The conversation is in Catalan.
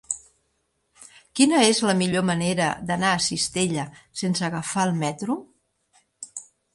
Quina és la millor manera d'anar a Cistella sense agafar el metro?